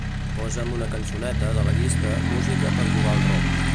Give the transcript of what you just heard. Posa'm una cançoneta de la llista "música per jugar al rol".